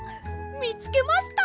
みつけました。